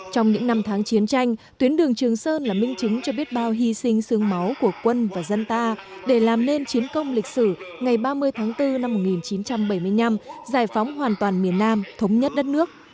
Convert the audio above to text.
trong những năm tháng chiến tranh tuyến đường trường sơn là minh chứng cho biết bao hy sinh sương máu của quân và dân ta để làm nên chiến công lịch sử ngày ba mươi tháng bốn năm một nghìn chín trăm bảy mươi năm giải phóng hoàn toàn miền nam thống nhất đất nước